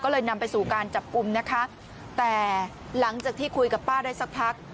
ก็เลยนำไปสู่การจับกลุ่มนะคะแต่หลังจากที่คุยกับป้าได้สักพัก